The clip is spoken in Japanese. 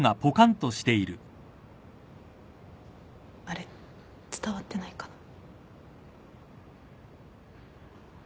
あれっ伝わってないかな？